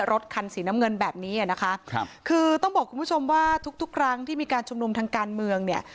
รถคันสีน้ำเงินแบบนี้อ่ะนะคะครับคือต้องบอกคุณผู้ชมว่าทุกทุกครั้งที่มีการชุมนุมทางการเมืองเนี่ย